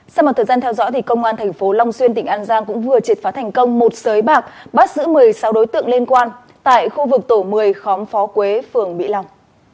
sau một thời gian theo dõi thì công an thành phố long xuyên tỉnh an giang cũng vừa triệt phá thành công một sới bạc bắt giữ một mươi sáu đối tượng liên quan tại khu vực tổ một mươi khóm phó quế phường mỹ long